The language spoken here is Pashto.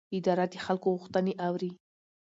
اداره د خلکو غوښتنې اوري.